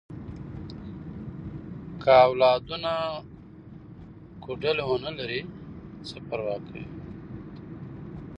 که اولادونه کوډله ونه لري، څه پروا کوي؟